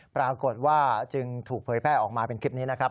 ปรากฏว่าจึงถูกเผยแพร่ออกมาเป็นคลิปนี้นะครับ